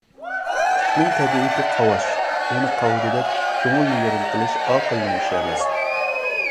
ئىتنىڭ تەبىئىتى قاۋاش. ئۇنى قاۋىدى دەپ، كۆڭۈلنى يېرىم قىلىش ئاقىلنىڭ ئىشى ئەمەس.